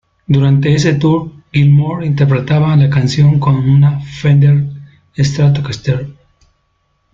Durante ese tour Gilmour interpretaba la canción con una Fender Stratocaster.